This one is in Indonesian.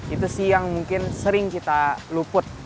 itu sih yang mungkin sering kita luput